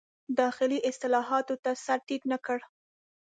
داخلي اصلاحاتو ته سر ټیټ نه کړ.